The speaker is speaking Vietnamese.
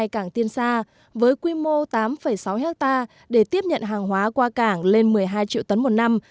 cảng tiên sa với quy mô tám sáu hectare để tiếp nhận hàng hóa qua cảng lên một mươi hai triệu tấn một năm